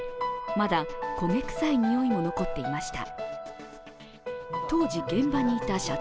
まだ焦げ臭いにおいも残っていました。